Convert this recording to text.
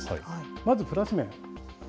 まずプラス面。